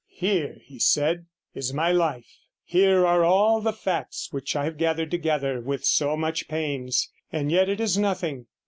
'Here,' he said, 'is my life; here are all the facts which I have gathered together with so much pains, and yet it is all nothing.